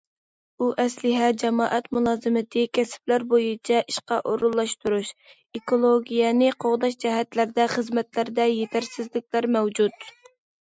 ئۇل ئەسلىھە، جامائەت مۇلازىمىتى، كەسىپلەر بويىچە ئىشقا ئورۇنلاشتۇرۇش، ئېكولوگىيەنى قوغداش جەھەتلەردە خىزمەتلەردە يېتەرسىزلىكلەر مەۋجۇت.